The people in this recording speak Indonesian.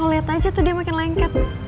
lihat aja tuh dia makin lengket